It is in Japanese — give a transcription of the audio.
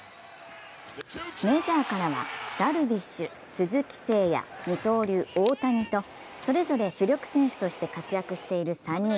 メジャーからはダルビッシュ、鈴木誠也、二刀流・大谷と、それぞれ主力選手として活躍している３人。